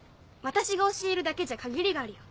私が教えるだけじゃ限りがあるよ。